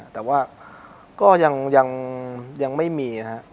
แต่ว่าก็ยังไม่มีนะครับ